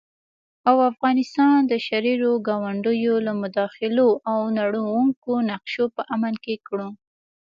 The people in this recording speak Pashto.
او افغانستان د شريرو ګاونډيو له مداخلو او نړوونکو نقشو په امن کې کړو